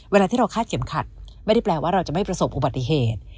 เวลาที่เราคาดเข็มขัดไม่ได้แปลว่าเราจะไม่ประสบอุบัติเหตุ